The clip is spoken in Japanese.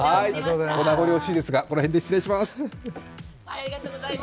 名残惜しいですがこの辺で失礼いたします。